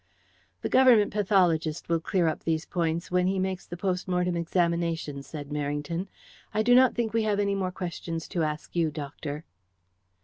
"The Government pathologist will clear up these points when he makes the post mortem examination," said Merrington. "I do not think we have any more questions to ask you, doctor."